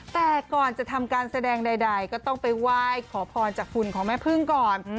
แต่ก่อนจะทำการแสดงใดก็ต้องไปไหว้ขอพรจากหุ่นของแม่พึ่งก่อน